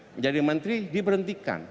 menjadi menteri diberhentikan